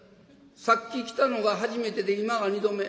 さっき来たのが初めてで今は二度目。